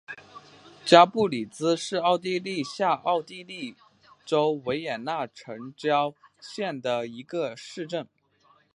加布里茨是奥地利下奥地利州维也纳城郊县的一个市镇。